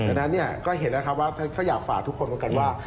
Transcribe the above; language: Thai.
เพราะฉะนั้นก็เห็นแล้วครับว่าเขาอยากฝ่าทุกคนกันว่า